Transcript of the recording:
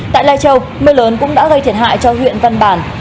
tại lai châu mưa lớn cũng đã gây thiệt hại cho huyện văn bản